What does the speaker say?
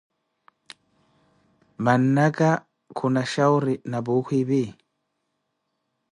Mannaka khuna xhauri na puukhu epi?